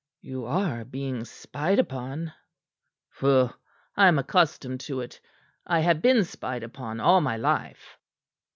"You are being spied upon." "Pho! I am accustomed to it. I have been spied upon all my life."